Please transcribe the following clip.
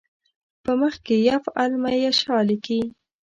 په مخ کې یفل من یشاء لیکي.